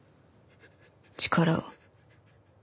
力を。